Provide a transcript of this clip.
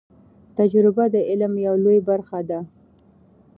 تجربه د علم یو لوی برخه ده.